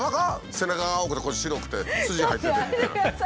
背中が青くてここ白くて筋が入ってて。